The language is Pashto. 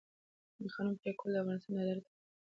د قانون پلي کول د افغانستان د عدالت او نظم بنسټ جوړوي